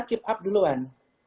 keep up duluan